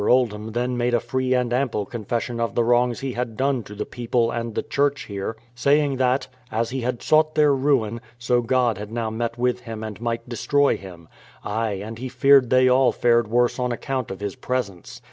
Oldham then made a free and ample confession of the wrongs he had done to the people and the church here saying that, as he had sought their ruin, so God had now met with him and might destroy him ; aye, and he feared they all fared worse on account of his presence.